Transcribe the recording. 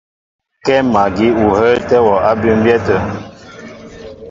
Kɛ́ magí ó hə́ə́tɛ́ wɔ á bʉmbyɛ́ tə̂.